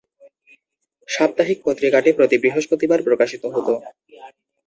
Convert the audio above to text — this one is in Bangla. সাপ্তাহিক পত্রিকাটি প্রতি বৃহস্পতিবার প্রকাশিত হতো।